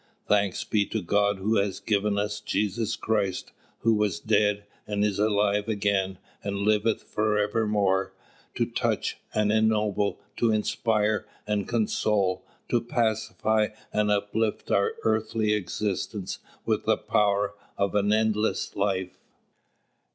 Thanks be to God who hath given us Jesus Christ, who was dead and is alive again and liveth forevermore, to touch and ennoble, to inspire and console, to pacify and uplift our earthly existence with the power of an endless life.